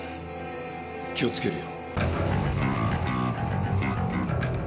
気を付けるよ。